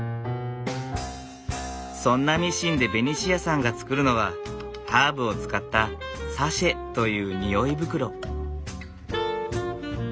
そんなミシンでベニシアさんが作るのはハーブを使ったサシェという匂い袋。